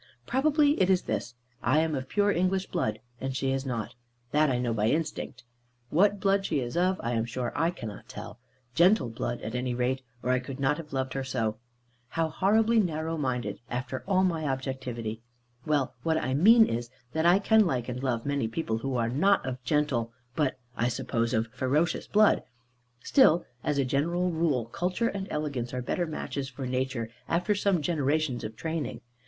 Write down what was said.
Probably it is this: I am of pure English blood, and she is not. That I know by instinct. What blood she is of, I am sure I cannot tell. Gentle blood at any rate, or I could not have loved her so. How horribly narrow minded, after all my objectivity! Well, what I mean is, that I can like and love many people who are not of gentle, but (I suppose) of ferocious blood; still, as a general rule, culture and elegance are better matches for nature, after some generations of training.